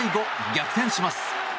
逆転します。